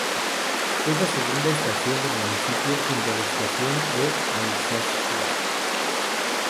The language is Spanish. Es la segunda estación del municipio junto a la estación de Alsasua.